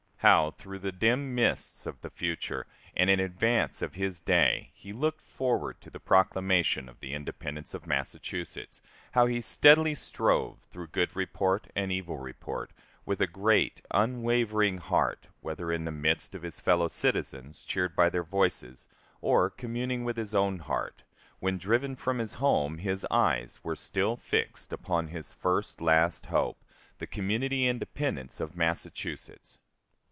How, through the dim mists of the future, and in advance of his day, he looked forward to the proclamation of the independence of Massachusetts; how he steadily strove, through good report and evil report, with a great, unwavering heart, whether in the midst of his fellow citizens, cheered by their voices, or communing with his own heart, when driven from his home, his eyes were still fixed upon his first, last hope, the community independence of Massachusetts!